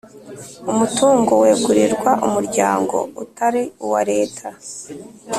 Umutungo wegurirwa Umuryango utari uwa Leta.